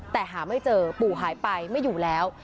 แต่หาไม่เจอปู่หายไปไม่อยู่แล้ว